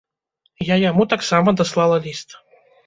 Я яму таксама даслала ліст.